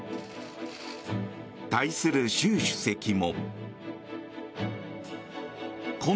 対する習主席も。